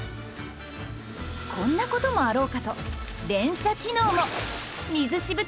こんなこともあろうかと連射機能も！